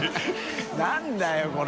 何だよこれ。